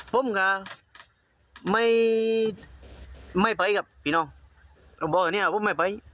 ผมก็ไม่ไม่ไปกับพี่น้องผมบอกเนี่ยผมไม่ไป